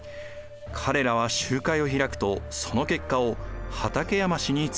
彼らは集会を開くとその結果を畠山氏に突きつけたのです。